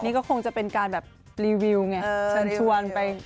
นี่ก็คงจะเป็นการแบบรีวิวไงเชิญชวนไป